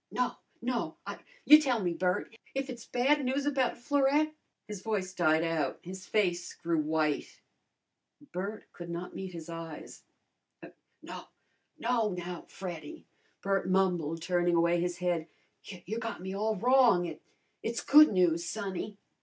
"No! No, I " "You tell me, Bert! If it's bad news about Florette " His voice died out. His face grew white. Bert could not meet his eyes. "No, no, now, Freddy," Bert mumbled, turning away his head. "You got me all wrong. It it's good news, sonny."